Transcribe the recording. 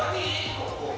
ここ。